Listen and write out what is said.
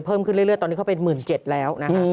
เพิ่มขึ้นเรื่อยตอนนี้เขาเป็น๑๗๐๐แล้วนะคะ